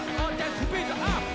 スピードアップ。